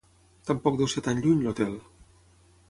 Tampoc deu ser tan lluny, l'hotel.